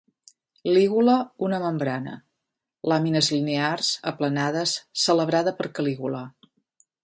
Lígula una membrana; làmines linears, aplanades, celebrada per Calígula.